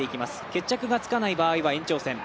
決着がつかない場合は延長戦。